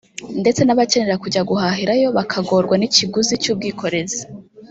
ndetse n’abakenera kujya guhahirayo bakagorwa n’ikiguzi cy’ubwikorezi